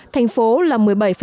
thành phố là một mươi bảy